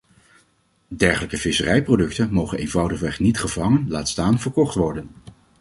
Dergelijke visserijproducten mogen eenvoudigweg niet gevangen laat staan verkocht worden.